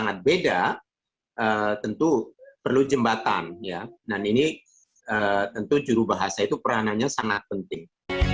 karena tentu perlu jembatan ya dan ini tentu juru bahasa itu peranannya sangat penting